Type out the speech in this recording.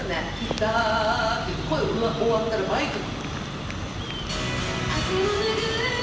だーって言って、声終わったら、マイクも。